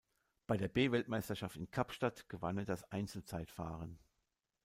Bei der B-Weltmeisterschaft in Kapstadt gewann er das Einzelzeitfahren.